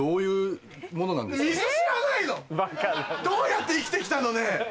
どうやって生きて来たの？ねぇ。